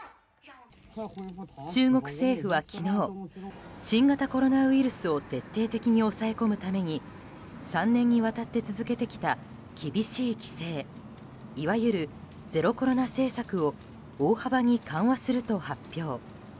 中国政府は昨日新型コロナウイルスを徹底的に抑え込むために３年にわたって続けてきた厳しい規制いわゆるゼロコロナ政策を大幅に緩和すると発表。